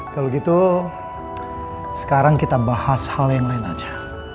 kalau gitu sekarang kita bahas hal yang lain aja